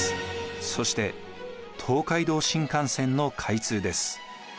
そして東海道新幹線の開通です。